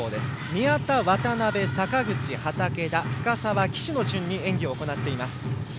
宮田、渡部、坂口畠田、深沢、岸の順に演技を行っています。